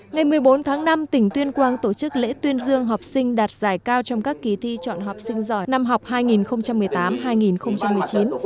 ngày một mươi bốn tháng năm tỉnh tuyên quang tổ chức lễ tuyên dương học sinh đạt giải cao trong các kỳ thi chọn học sinh giỏi năm học hai nghìn một mươi tám hai nghìn một mươi chín